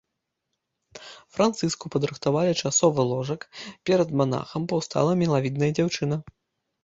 Францыску падрыхтавалі часовы ложак, перад манахам паўстала мілавідная дзяўчына.